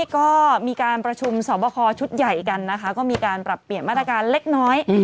ก็มีการประชุมสอบคอชุดใหญ่กันนะคะก็มีการปรับเปลี่ยนมาตรการเล็กน้อย